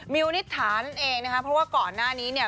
วนิษฐานั่นเองนะคะเพราะว่าก่อนหน้านี้เนี่ย